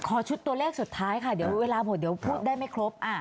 ชุดตัวเลขสุดท้ายค่ะเดี๋ยวเวลาหมดเดี๋ยวพูดได้ไม่ครบ